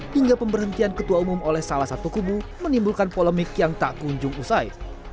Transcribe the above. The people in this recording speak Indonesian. hingga pemberhentian ketua umum oleh salah satu kubu menimbulkan polemik yang tak kunjung usai